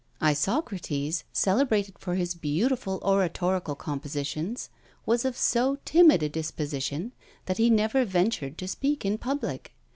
Isocrates, celebrated for his beautiful oratorical compositions, was of so timid a disposition, that he never ventured to speak in public.